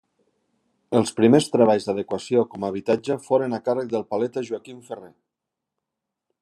Els primers treballs d'adequació com a habitatge foren a càrrec del paleta Joaquim Ferrer.